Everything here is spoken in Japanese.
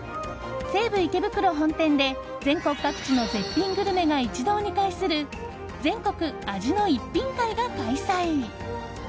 西武池袋本店で全国各地の絶品グルメが一堂に会する全国味の逸品会が開催。